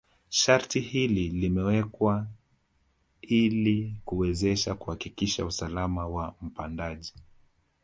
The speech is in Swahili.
Sharti hili limewekwa ili kuweza kuhakikisha usalama wa mpandaji